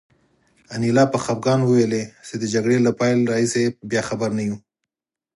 انیلا په خپګان وویل چې د جګړې له پیل راهیسې بیا خبر نه یو